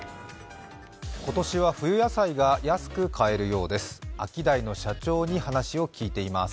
今年は冬野菜が安く買えるようです。